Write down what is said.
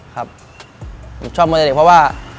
ผมชอบมัวเจ็ดเด็กเพราะว่า